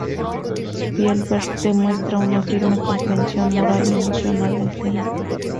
Spielberg demuestra una firme comprensión moral y emocional del tema.